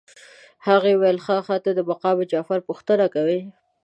هغه ویل ښه ښه ته د مقام جعفر پوښتنه کوې.